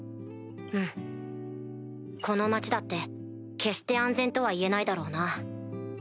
うんこの町だって決して安全とはいえないだろうな。